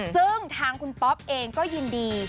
ซึ่งทางคุณป๊อปเองก็ยินดี